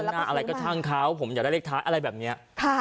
หน้าอะไรก็ช่างเขาผมอยากได้เลขท้ายอะไรแบบนี้